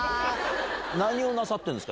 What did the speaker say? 何をなさってるんですか？